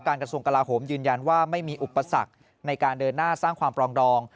กระทรวงกลาโหมยืนยันว่าไม่มีอุปสรรคในการเดินหน้าสร้างความปรองดอง